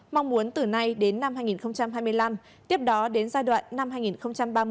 mong muốn từ nay đến năm hai nghìn hai mươi năm tiếp đó đến giai đoạn năm hai nghìn ba mươi